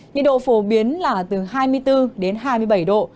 nhiệt độ phổ biến là từ hai mươi bốn đến hai mươi bảy độ